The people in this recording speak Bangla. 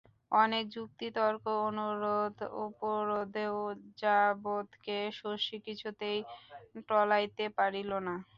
অনেক যুক্তিতর্ক অনুরোধ উপরোধেও যাদবকে শশী কিছুতেই টলাইতে পারিল না।